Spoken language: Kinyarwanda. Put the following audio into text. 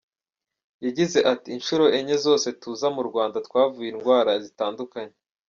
Yagize ati “Inshuro enye zose tuza mu Rwanda twavuye indwara zitandukanye.